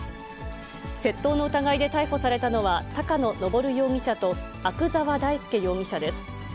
窃盗の疑いで逮捕されたのは高野登容疑者と、阿久沢大介容疑者です。